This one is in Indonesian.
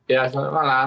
ya selamat malam